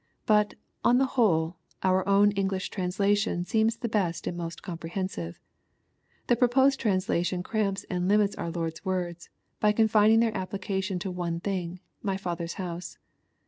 But, on the whole, our own English translation seems the best and most comprehensive. The proposed translation cramps and limits our Lord's words, by confining their appU cation to one thing, ''my Father's house."